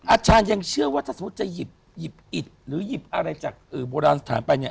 อาจารย์ยังเชื่อว่าถ้าจะหยิบอิตหรือหยิบอะไรจากบรรดาศภาพไปเนี่ย